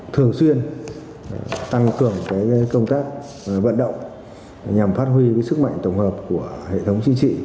thường xuyên tăng cường công tác vận động nhằm phát huy sức mạnh tổng hợp của hệ thống chính trị